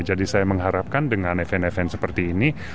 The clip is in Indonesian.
jadi saya mengharapkan dengan event event seperti ini